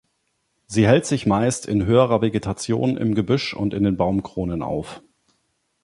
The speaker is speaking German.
Sie hält sich meist in höherer Vegetation im Gebüsch und in den Baumkronen auf.